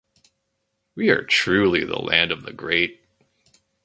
We are truly the land of the great.